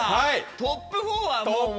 トップ４はもう。